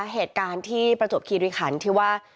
เหตุการณ์ที่ประจบคีย์ด้วยขันที่ว่า